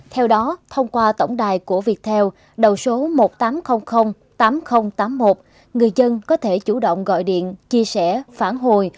theo đó thông qua tổng đài của viettel đầu số một nghìn tám trăm linh tám nghìn tám mươi một người dân có thể chủ động gọi điện chia sẻ phản hồi